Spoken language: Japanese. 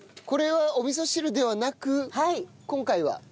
これはお味噌汁ではなく今回は？